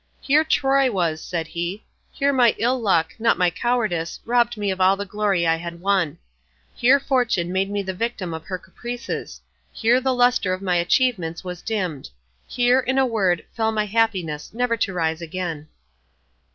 "Here Troy was," said he; "here my ill luck, not my cowardice, robbed me of all the glory I had won; here Fortune made me the victim of her caprices; here the lustre of my achievements was dimmed; here, in a word, fell my happiness never to rise again."